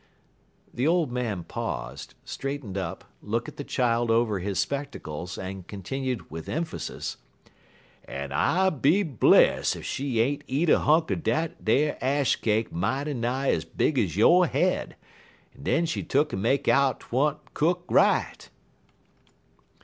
The old man paused, straightened up, looked at the child over his spectacles, and continued, with emphasis: "En I be bless ef she ain't eat a hunk er dat ash cake mighty nigh ez big ez yo' head, en den she tuck'n make out 't wa'n't cook right.